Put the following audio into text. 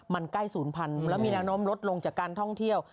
มันใกล้ศูนย์พันธุ์แล้วมีแนวโน้มลดลงจากการท่องเที่ยว